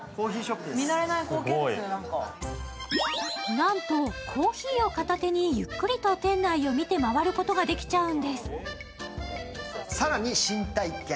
なんとコーヒーを片手にゆっくりと店内を見て回ることができちゃうんです。